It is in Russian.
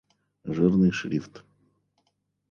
Жирный шрифт